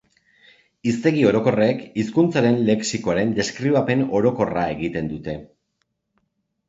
Hiztegi orokorrek hizkuntzaren lexikoaren deskribapen orokorra egiten dute.